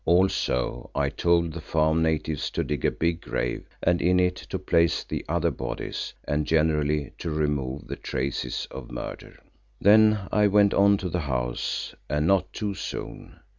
Also I told the farm natives to dig a big grave and in it to place the other bodies and generally to remove the traces of murder. Then I went on to the house, and not too soon.